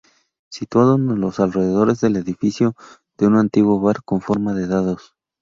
Situado en los alrededores del edificio de un antiguo bar, con forma de dados.